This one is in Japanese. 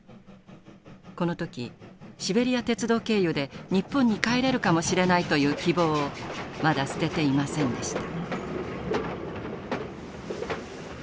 この時シベリア鉄道経由で日本に帰れるかもしれないという希望をまだ捨てていませんでした。